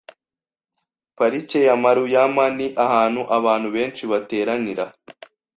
Parike ya Maruyama ni ahantu abantu benshi bateranira .